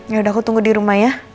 yaudah aku tunggu dirumah ya